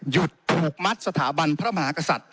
หยุดผูกมัดสถาบันพระมหากษัตริย์